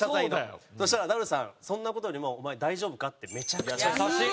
そしたらダルさん「そんな事よりもお前大丈夫か？」ってめちゃくちゃ優しい。